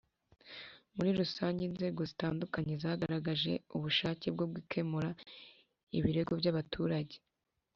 Muri rusange inzego zitandukanye zagaragaje ubushake bwo gukemura ibirego by’ abaturage